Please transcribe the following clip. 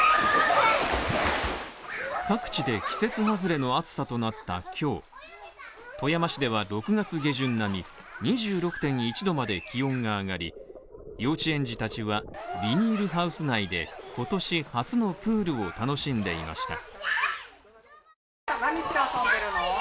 各地で季節外れの暑さとなった今日、富山市では６月下旬並み、２６．１℃まで気温が上がり、幼稚園児たちはビニールハウス内で今年初のプールを楽しんでいました。